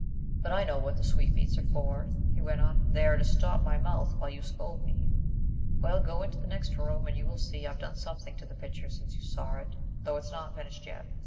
"But I know what the sweetmeats are for," he went on; "they are to stop my mouth while you scold me. Well, go on into the next room, and you will see I've done something to the picture since you saw it, though it's not finished yet.